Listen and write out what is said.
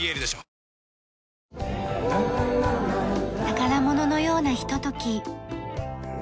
宝物のようなひととき。